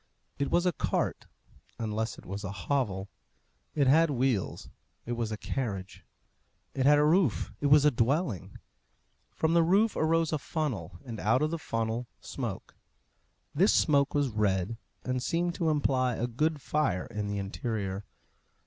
It was a cart, unless it was a hovel. It had wheels it was a carriage. It had a roof it was a dwelling. From the roof arose a funnel, and out of the funnel smoke. This smoke was red, and seemed to imply a good fire in the interior.